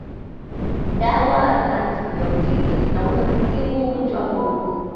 Dawa za antibiotiki zinaweza kutibu ugonjwa huu